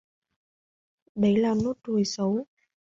đấy là nốt ruồi xấu